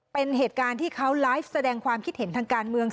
เป็นเหตุการณ์ที่เขาไลฟ์แสดงความคิดเห็นทางการเมือง